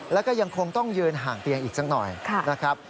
แล้วก็ยังคงต้องยืนห่างเตียงอีกสักหน่อยนะครับ